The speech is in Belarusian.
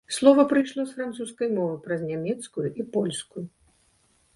Слова прыйшло з французскай мовы праз нямецкую і польскую.